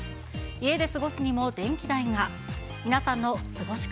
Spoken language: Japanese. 家で過ごすにも電気代が。